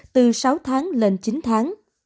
từ sáu tháng lên chín tháng